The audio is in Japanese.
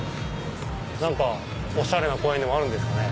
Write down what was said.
何かおしゃれな公園でもあるんですかね。